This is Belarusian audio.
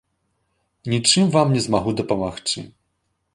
Нічым вам не змагу дапамагчы.